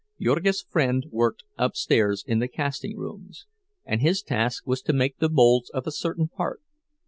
Jurgis's friend worked upstairs in the casting rooms, and his task was to make the molds of a certain part.